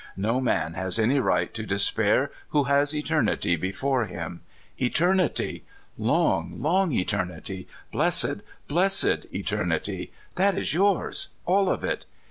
No man has any right to despair who has eternity before him. Eternity! Long, long eternity! Blessed, blessed eternity! That is yours — all of it.